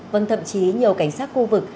vâng thậm chí nhiều cảnh sát khu vực